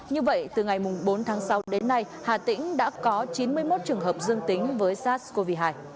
như vậy từ ngày bốn tháng sáu đến nay hà tĩnh đã có chín mươi một trường hợp dương tính với sars cov hai